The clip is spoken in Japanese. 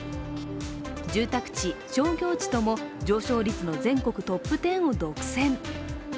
住宅地、商業地とも上昇率の全国トップ１０を独占。